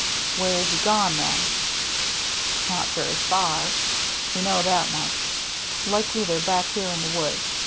" Where is he gone, then ?"" Not very far — we know that much. Likely they're back here in the woods.